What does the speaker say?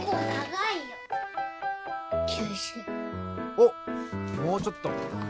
おっもうちょっと。